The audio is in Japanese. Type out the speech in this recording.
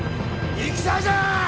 戦じゃ！